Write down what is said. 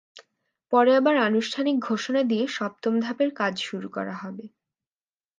পরে আবার আনুষ্ঠানিক ঘোষণা দিয়ে সপ্তম ধাপের কাজ শুরু করা হবে।